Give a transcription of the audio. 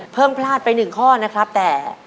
เพิ่งพลาดไป๑ข้อนะครับแต่